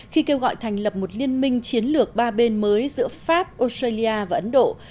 khi kêu gọi thành lập một liên minh chiến lược ba bên mới giữa pháp australia và ấn độ